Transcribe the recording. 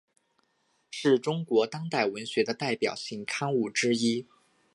是中国当代文学的代表性刊物之一。